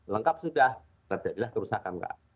lengkap sudah terjadilah kerusakan kak